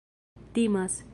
timas